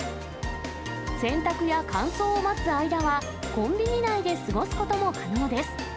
洗濯や乾燥を待つ間は、コンビニ内で過ごすことも可能です。